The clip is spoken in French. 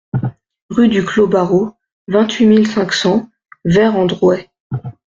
Rue du Clos Barreau, vingt-huit mille cinq cents Vert-en-Drouais